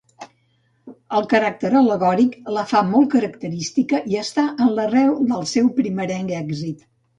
El caràcter al·legòric la fa molt característica i està en l'arrel del seu primerenc èxit.